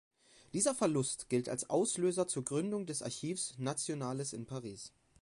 Dieser Verlust gilt als Auslöser zur Gründung der Archives nationales in Paris.